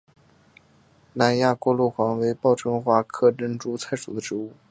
南亚过路黄为报春花科珍珠菜属的植物。